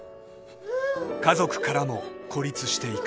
［家族からも孤立していく］